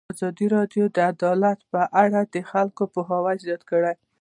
ازادي راډیو د عدالت په اړه د خلکو پوهاوی زیات کړی.